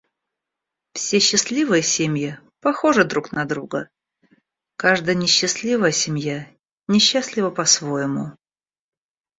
Все счастливые семьи похожи друг на друга, каждая несчастливая семья несчастлива по-своему.